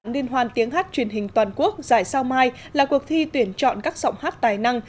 liên hoan tiếng hát truyền hình toàn quốc giải sao mai là cuộc thi tuyển chọn các giọng hát tài năng